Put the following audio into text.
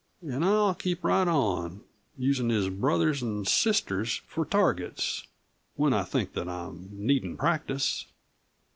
An' I'll keep right on, usin' his brothers an' sisters for targets when I think that I'm needin' practice."